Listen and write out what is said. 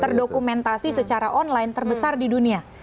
terdokumentasi secara online terbesar di dunia